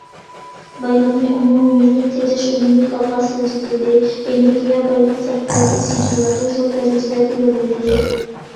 بايلىقنى ئومۇميۈزلۈك تېجەش ئۈنۈملۈك ئالغا سىلجىتىلدى، ئېنېرگىيە- بايلىق سەرپىياتى سىجىللىقى زور دەرىجىدە تۆۋەنلىدى.